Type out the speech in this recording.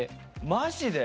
マジで？